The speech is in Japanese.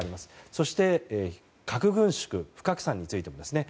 そして、核軍縮・不拡散についてですね。